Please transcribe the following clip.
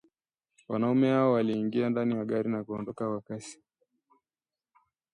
Wanaume hao waliingia ndani ya gari na kuondoka kwa kasi